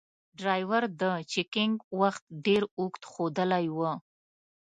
ډریور د چکینګ وخت ډیر اوږد ښودلای و.